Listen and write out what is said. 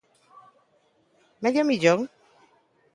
¿Medio millón?